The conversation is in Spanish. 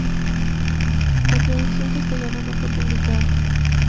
La traducción castellana no fue publicada.